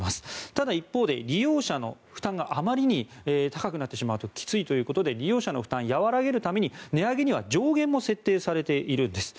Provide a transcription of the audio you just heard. ただ、一方で利用者の負担があまりに高くなってしまうときついということで利用者の負担を和らげるために値上げには上限が設定されているんです。